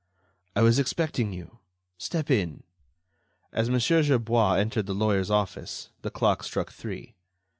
"I was expecting you. Step in." As Mon. Gerbois entered the lawyer's office, the clock struck three.